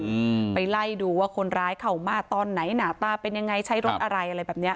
อืมไปไล่ดูว่าคนร้ายเข้ามาตอนไหนหนาตาเป็นยังไงใช้รถอะไรอะไรแบบเนี้ย